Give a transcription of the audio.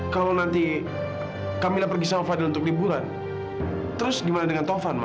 kalau nanti kamila pergi sama fadhil untuk liburan terus gimana dengan taufan ma